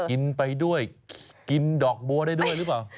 กินไปด้วยกินดอกบัวได้ด้วยหรือเปล่า